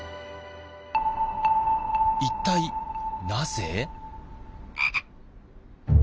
一体なぜ？